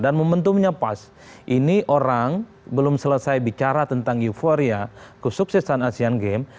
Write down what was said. dan momentumnya pas ini orang belum selesai bicara tentang euforia kesuksesan asean games